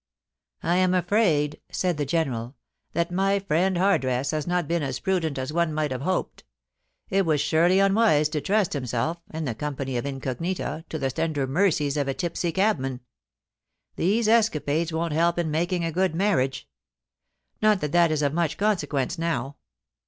* I am afraid,* said the General, * that my friend Hardress has not been as prudent as one might have hoped. It ?ras surely unwise to trust himself, in the company of Incognita, to the tender mercies of a tipsy cabman. These escapades won't help him in making a good marriage. Not that that is of much consequence now.